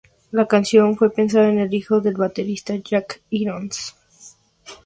La canción fue pensada en el hijo del baterista Jack Irons